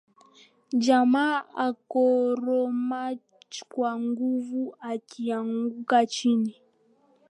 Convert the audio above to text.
Jamaa akakoroma kwa nguvu akianguka chini